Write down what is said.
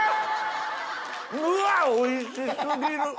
うわおいし過ぎる！